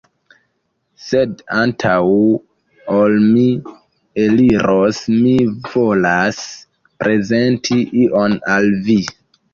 Sed antaŭ ol mi eliros, mi volas prezenti ion al vi